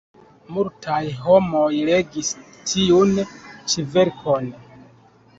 Multaj homoj legis tiun ĉi verkon.